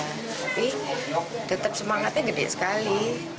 tapi tetap semangatnya gede sekali